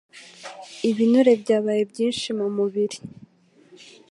Ibinure byabaye byinshi mumubiri